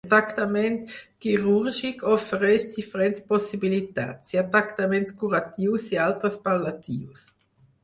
El tractament quirúrgic ofereix diferents possibilitats: hi ha tractaments curatius i altres pal·liatius.